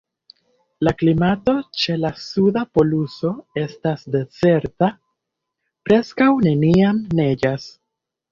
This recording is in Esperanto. La klimato ĉe la Suda poluso estas dezerta: preskaŭ neniam neĝas.